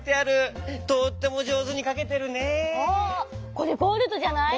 これゴールドじゃない？